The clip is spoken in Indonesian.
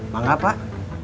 mau gak pak